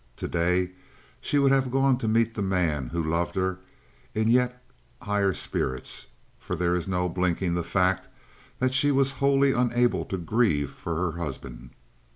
Today she would have gone to meet the man who loved her in yet higher spirits, for there is no blinking the fact that she was wholly unable to grieve for her husband.